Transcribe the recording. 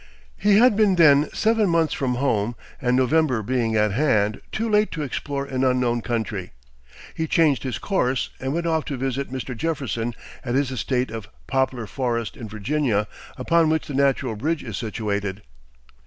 He had been then seven months from home, and November being at hand, too late to explore an unknown country, he changed his course, and went off to visit Mr. Jefferson at his estate of Poplar Forest in Virginia, upon which the Natural Bridge is situated.